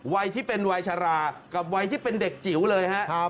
วัยที่เป็นวัยชรากับวัยที่เป็นเด็กจิ๋วเลยครับ